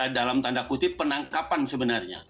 dalam tanda kutip penangkapan sebenarnya